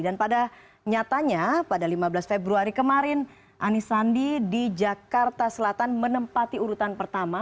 dan pada nyatanya pada lima belas februari kemarin anisandi di jakarta selatan menempati urutan pertama